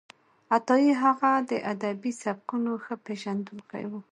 عطايي هغه د ادبي سبکونو ښه پېژندونکی و.